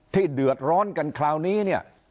เดือดร้อนกันคราวนี้เนี่ย